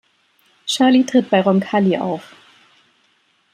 Shirley tritt bei Roncalli auf.